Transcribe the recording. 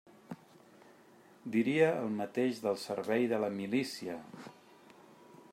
Diria el mateix del servei de la milícia.